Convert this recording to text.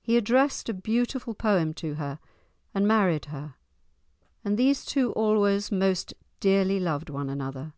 He addressed a beautiful poem to her and married her, and these two always most dearly loved one another.